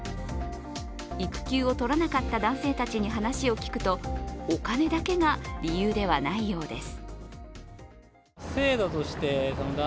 育休を取らなかった男性たちに話を聞くとお金だけが理由ではないようです。